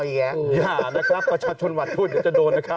อย่านะครับประชาชนหวัดพูดเดี๋ยวจะโดนนะครับ